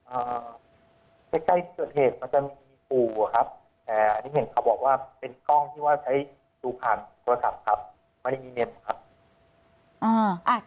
เออใกล้ใกล้ส่วนเหตุมันจะมีปู่อ่ะครับเนี่ยที่เห็นครับว่าเป็นกล้องที่ใช้ดูผ่านโทรศัพท์ครับไม่มีเน็ตนะครับ